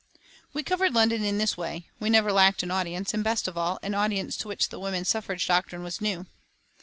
We covered London in this way; we never lacked an audience, and best of all, an audience to which the woman suffrage doctrine was new.